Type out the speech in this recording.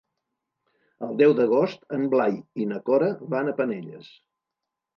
El deu d'agost en Blai i na Cora van a Penelles.